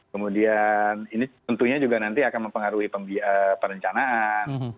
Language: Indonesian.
kemudian ini tentunya juga nanti akan mempengaruhi perencanaan